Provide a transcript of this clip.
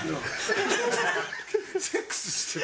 セックスしてる。